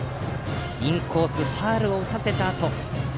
インコースでファウルを打たせたあと。